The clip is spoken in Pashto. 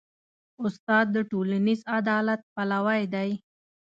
استاد د ټولنیز عدالت پلوی دی.